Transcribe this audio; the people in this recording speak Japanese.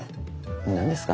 何ですか？